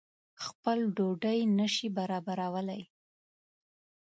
خپل ډوډۍ نه شي برابرولای.